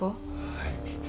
はい